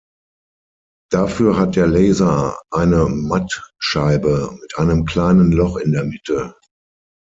Dafür hat der Laser eine Mattscheibe mit einem kleinen Loch in der Mitte.